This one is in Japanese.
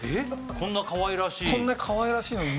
こんなかわいらしいのに。